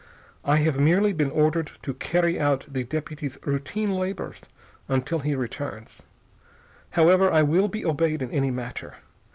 I have merely been ordered to carry out the deputy's routine labors until he returns. However, I will be obeyed in any matter.